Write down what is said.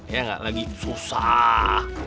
ya nggak lagi susah